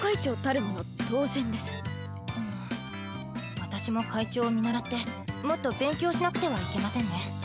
あ私も会長を見習ってもっと勉強しなくてはいけませんね。